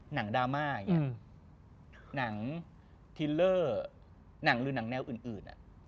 หนังดราม่าหนังทีลเลอร์หนังหรือหนังแนวอื่น